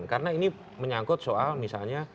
karena ini menyangkut soal misalnya